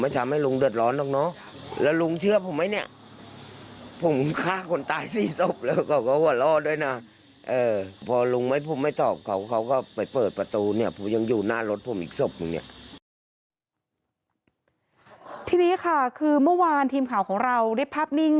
ทีนี้ค่ะคือเมื่อวานทีมข่าวของเราได้ภาพนิ่ง